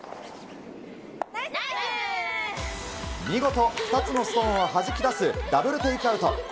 見事、２つのストーンをはじき出す、ダブルテイクアウト。